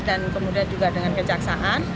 dan kemudian juga dengan kejaksaan